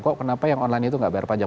kok kenapa yang online itu nggak bayar pajak